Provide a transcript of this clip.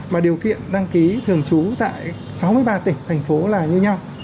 mà điều kiện đăng ký thường trú tại sáu mươi ba tỉnh thành phố là như nhau